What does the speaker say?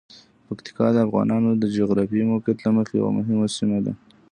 پکتیکا د افغانانو د جغرافیايی موقعیت له مخې یوه مهمه سیمه ده.